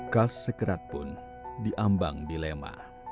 kals sekrat pun diambang dilema